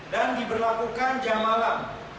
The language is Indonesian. dan diberlakukan jam malam